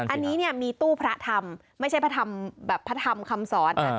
อันนี้เนี่ยมีตู้พระธรรมไม่ใช่พระธรรมแบบพระธรรมคำสอน